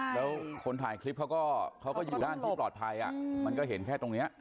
แล้วคนถ่ายคลิปเขาก็เขาก็อยู่ด้านที่ปลอดภัยมันก็เห็นแค่ตรงนี้